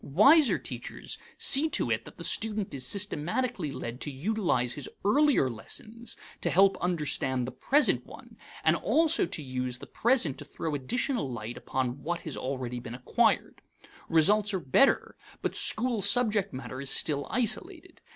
Wiser teachers see to it that the student is systematically led to utilize his earlier lessons to help understand the present one, and also to use the present to throw additional light upon what has already been acquired. Results are better, but school subject matter is still isolated.